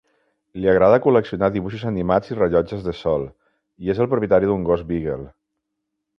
Li agrada col·leccionar dibuixos animats i rellotges de sol, i és el propietari d'un gos Beagle.